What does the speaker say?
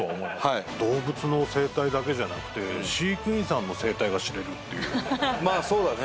はい動物の生態だけじゃなくて飼育員さんの生態が知れるっていうまあそうだね